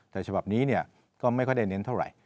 แต่ฉบับนี้ก็ไม่ค่อยได้เน้นเท่าไหร่